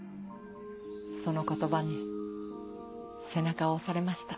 その言葉に背中を押されました。